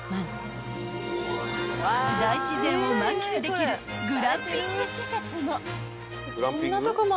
［大自然を満喫できるグランピング施設も］